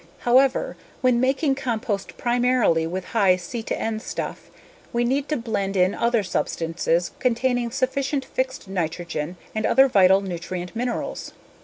However, when making compost primarily with high C/N stuff we need to blend in other substances containing sufficient fixed nitrogen and other vital nutrient minerals.